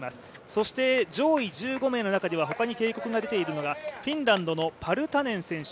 そして、上位１５名の中ではほかに警告が出ているのはフィンランドのパルタネン選手